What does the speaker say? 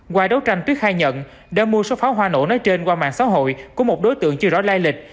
qua đấu tranh tuyết khai nhận đã mua số pháo hoa nổ nói trên qua mạng xã hội của một đối tượng chưa rõ lai lịch